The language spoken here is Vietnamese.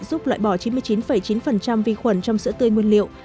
giúp loại bỏ chín mươi chín chín vi khuẩn trong sữa tươi nguyên liệu